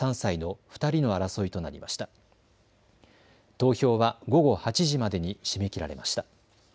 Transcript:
投票は午後８時までに締め切られました。